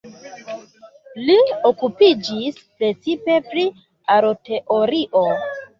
Li okupiĝis precipe pri aroteorio.